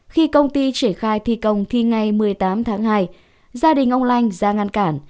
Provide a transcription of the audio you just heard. khi công ty triển khai thi công thì ngày một mươi tám tháng hai gia đình ông lanh ra ngăn cản